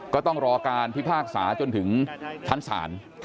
ก็ต้องรอการพิพากษาจนถึงชั้นศาล